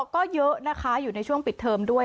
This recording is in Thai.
ก็เยอะนะคะอยู่ในช่วงปิดเทอมด้วย